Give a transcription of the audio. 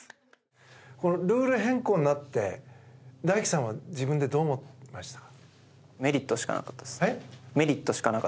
ルール変更になって大輝さんは自分でどう思いました？